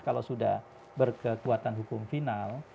kalau sudah berkekuatan hukum final